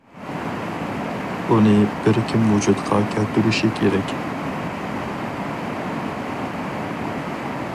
ئۇنى بىر كىم ۋۇجۇدقا كەلتۈرۈشى كېرەك.